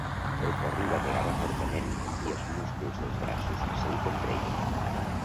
El cor li bategava fortament, i els músculs dels braços se li contreien.